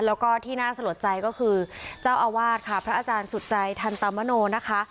แล้วก็ที่น่าสลดใจก็คือเจ้าอาวาสค่ะพระอาจารย์สุดใจทันตมโนนะคะ